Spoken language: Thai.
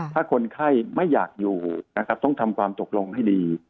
ถ้าคนไข้ไม่อยากอยู่นะครับต้องทำความตกลงให้ดี